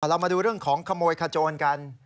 เรามาดูเรื่องของขโมยขโจรกัน